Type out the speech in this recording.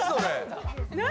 何？